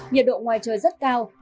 nhiệt độ ngoài trời rất cao